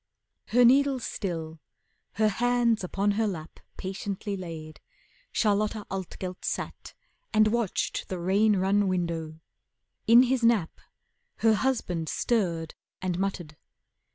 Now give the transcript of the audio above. Her needles still, her hands upon her lap Patiently laid, Charlotta Altgelt sat And watched the rain run window. In his nap Her husband stirred and muttered.